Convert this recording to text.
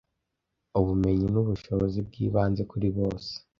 Ubumenyi n ubushobozi bw ibanze kuri bose